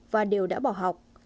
và đều đã bỏ học